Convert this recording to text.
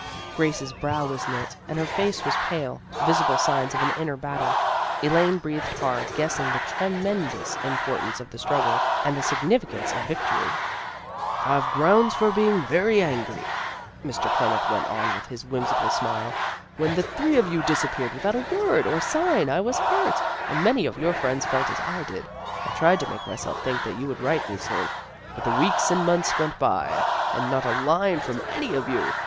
Grace's brow was knit, and her face was pale, visible signs of an inner battle. Elaine breathed hard, guessing the tremendous importance of the struggle, and the significance of victory. " I've grounds for being very angry," Mr. AN UNEXPECTED VISITOR 343 Clement went on with his whimsical smile. " When the three of you disappeared without a word or sign, I was hurt, and many of your friends felt as I did. I tried to make myself think that you would write me soon, but the weeks and months went by, and not a line from any of you.